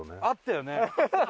あったよね。